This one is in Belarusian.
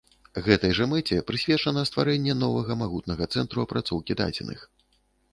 Гэтай жа мэце прысвечана стварэнне новага магутнага цэнтру апрацоўкі дадзеных.